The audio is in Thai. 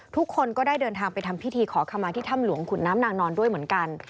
ทุกคนก็ได้เดินทางไปทำพิธีขอขมาที่ถ้ำหลวงขุนน้ำนางนอนด้วยเหมือนกัน